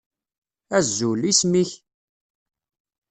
Azul, isem-ik?